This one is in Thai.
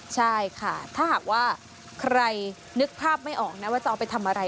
ใช่ค่ะถ้าหากว่าใครนึกภาพไม่ออกนะว่าจะเอาไปทำอะไร